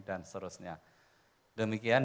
dan seterusnya demikian